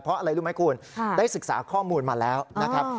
เพราะอะไรรู้ไหมคุณได้ศึกษาข้อมูลมาแล้วนะครับ